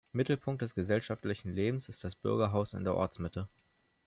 Mittelpunkt des gesellschaftlichen Lebens ist das Bürgerhaus in der Ortsmitte.